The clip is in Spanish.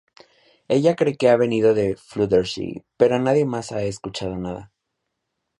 Ella cree que ha venido de Fluttershy, pero nadie más ha escuchado nada.